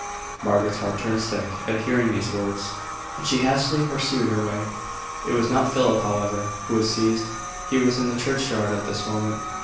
Margaret's heart turned sick at hearing these words, and she hastily pursued her way. It was not Philip, however, who was seized. He was in the churchyard at this moment.